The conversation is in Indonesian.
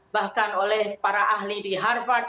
bahkan oleh para ahli di harvard